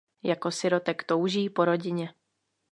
Jako sirotek touží po rodině.